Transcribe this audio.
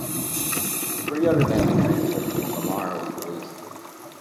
Three other men were transferred when Lahmar was released.